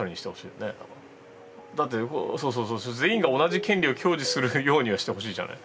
だってそうそう全員が同じ権利を享受するようにはしてほしいじゃない？